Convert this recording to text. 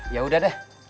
ya udah deh